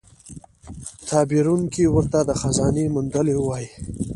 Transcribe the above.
تعبیرونکی ورته د خزانې موندلو وايي.